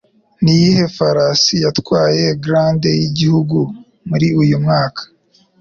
Niyihe farasi yatwaye Grand y'Igihugu muri uyu mwaka?